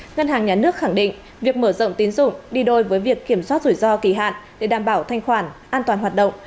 ngân hàng nhà nước khẳng định việc mở rộng tín dụng đi đôi với việc kiểm soát rủi ro kỳ hạn để đảm bảo thanh khoản an toàn hoạt động